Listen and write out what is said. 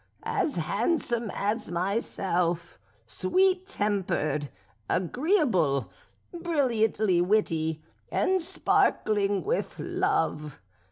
as handsome as myself, sweet tempered, agreeable, brilliantly witty, and sparkling with love.